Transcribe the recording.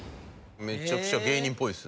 めちゃくちゃ芸人っぽいですね。